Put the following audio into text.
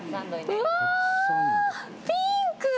うわあ、ピンク！